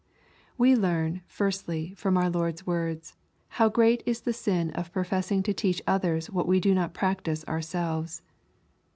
We learn, firstly, from our Lord's words, how great is the sin of professing to teach others what we donot practise ourselves.